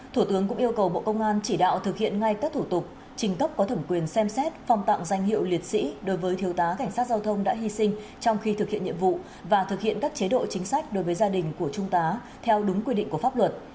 thủ tướng cũng yêu cầu bộ công an chỉ đạo thực hiện ngay các thủ tục trình cấp có thẩm quyền xem xét phong tặng danh hiệu liệt sĩ đối với thiếu tá cảnh sát giao thông đã hy sinh trong khi thực hiện nhiệm vụ và thực hiện các chế độ chính sách đối với gia đình của trung tá theo đúng quy định của pháp luật